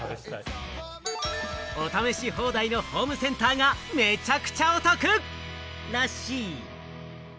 お試し放題のホームセンターが、めちゃくちゃお得らしい。